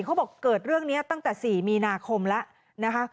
เขาบอกเกิดเรื่องนี้ตั้งแต่๔มีนาคมแล้วนะคะ